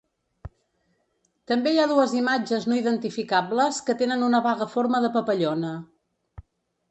També hi ha dues imatges no identificables que tenen una vaga forma de papallona.